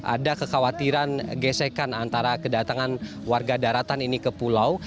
ada kekhawatiran gesekan antara kedatangan warga daratan ini ke pulau